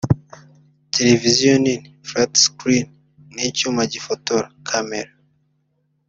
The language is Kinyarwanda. televisiyo nini (flat screen) na icyuma gifotora (Camera)